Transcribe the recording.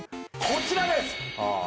こちらです！